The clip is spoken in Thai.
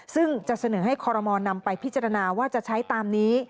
ซึ่งจะเสนอให้คอรมอลนำไปพิจารณาว่าจะใช้ตามนี้